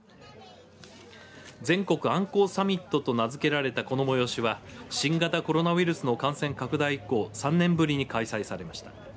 全国あんこうサミットと名付けられたこの催しは新型コロナウイルスの感染拡大以降３年ぶりに開催されました。